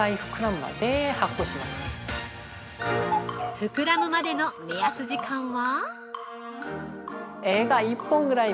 膨らむまでの目安時間は？